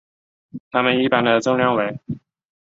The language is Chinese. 它们一般的重量为。